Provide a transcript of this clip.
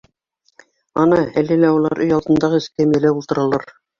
Ана, әле лә улар өй алдындағы эскәмйәлә ултыралар.